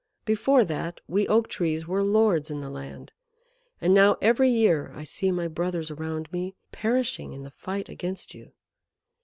Before that, we Oak Trees were lords in the land; and now every year I see my brothers around me perishing in the fight against you.